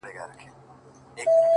خدایه معلوم یمه، منافقت نه کوم،